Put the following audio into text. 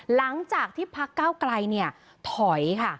หลังจากที่ภักร์เก้าไกลถอยค่ะ